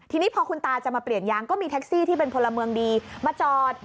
ทีนี้พอคุณตาจะมาเปลี่ยนยางก็มีแท็กซี่ที่เป็นพลเมืองดีมาจอด